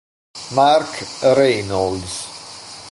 Mark Reynolds